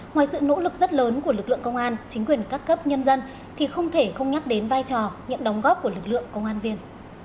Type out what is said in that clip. ngoài sự nỗ lực rất lớn của lực lượng công an chính quyền các cấp nhân dân thì không thể không nhắc đến vai trò những đóng góp của lực lượng công an viên